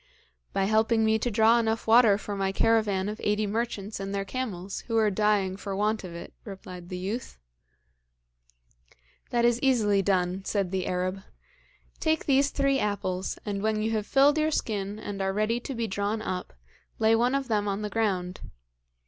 'By helping me to draw enough water for my caravan of eighty merchants and their camels, who are dying for want of it,' replied the youth. 'That is easily done,' said the Arab. 'Take these three apples, and when you have filled your skin, and are ready to be drawn up, lay one of them on the ground.